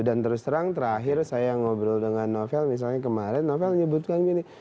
dan terus terang terakhir saya ngobrol dengan novel misalnya kemarin novel menyebutkan gini